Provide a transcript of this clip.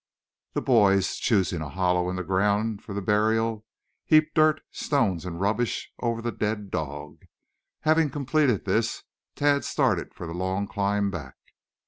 The boys, choosing a hollow in the ground for the burial, heaped dirt, stones and rubbish over the dead dog. Having completed this, Tad started for the long climb back.